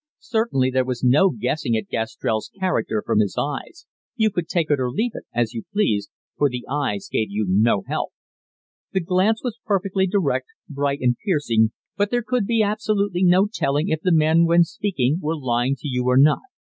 Certainly there was no guessing at Gastrell's character from his eyes you could take it or leave it, as you pleased, for the eyes gave you no help. The glance was perfectly direct, bright and piercing, but there could be absolutely no telling if the man when speaking were lying to you or not.